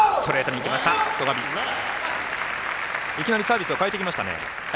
いきなりサービスを変えてきましたね。